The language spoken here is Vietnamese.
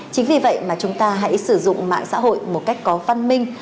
chính vì vậy mà chúng ta hãy sử dụng mạng xã hội một cách có văn minh